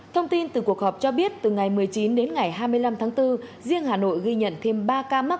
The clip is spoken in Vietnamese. thông tin từ cuộc họp cho biết từ ngày một mươi chín đến ngày hai mươi năm tháng bốn riêng hà nội ghi nhận thêm ba ca mắc